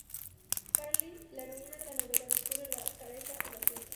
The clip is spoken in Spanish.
Carly, la heroína de la novela, descubre la cabeza en la tumba.